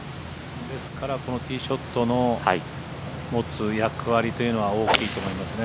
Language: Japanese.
ですからティーショットの持つ役割というのは大きいと思いますね。